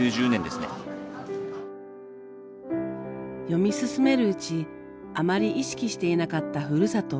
読み進めるうちあまり意識していなかったふるさと